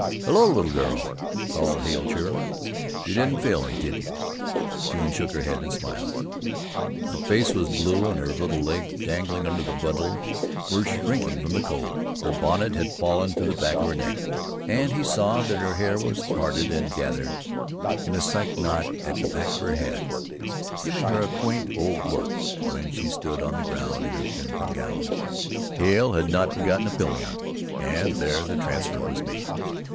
"Hello, little girl," called Hale cheerily, "you didn't fail me, did you?" June shook her head and smiled. Her face was blue and her little legs, dangling under the bundle, were shrinking from the cold. Her bonnet had fallen to the back of her neck, and he saw that her hair was parted and gathered in a Psyche knot at the back of her head, giving her a quaint old look when she stood on the ground in her crimson gown. Hale had not forgotten a pillion and there the transfer was made.